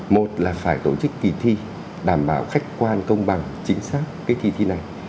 một là phải tổ chức kỳ thi đảm bảo khách quan công bằng chính xác cái kỳ thi này